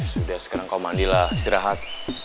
sudah sekarang kau mandila istirahat